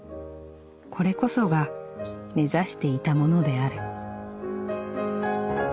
これこそが目指していたものである」。